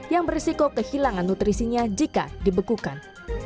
yang berisiko kehilangan nutrisinya jika dibekukan